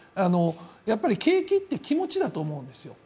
やっぱり景気って気持ちだと思うんですよ。